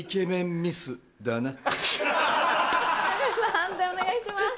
判定お願いします。